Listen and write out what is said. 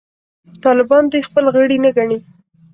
طالبان دوی خپل غړي نه ګڼي.